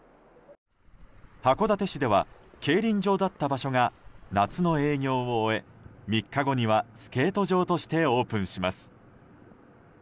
函館市では競輪場だった場所が夏の営業を終え３日後にはスケート場としてオープンします。